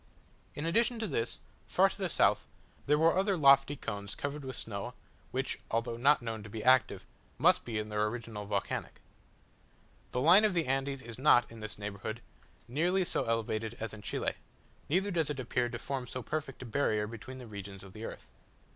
In addition to this, far to the south, there were other lofty cones covered with snow, which, although not known to be active, must be in their origin volcanic. The line of the Andes is not, in this neighbourhood, nearly so elevated as in Chile; neither does it appear to form so perfect a barrier between the regions of the earth.